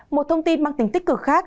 một thông tin mang tình tích cực khác